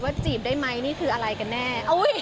จีบได้ไหมนี่คืออะไรกันแน่